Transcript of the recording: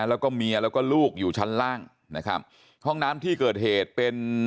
แล้วก็เมียแล้วก็ลูกอยู่ชั้นล่างนะครับห้องน้ำที่เกิดเหตุเป็น